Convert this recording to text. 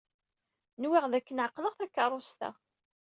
Nwiɣ dakken ɛeqleɣ takeṛṛust-a.